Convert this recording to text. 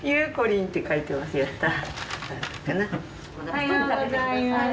おはようございます。